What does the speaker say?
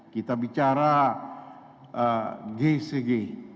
kita bicara gcg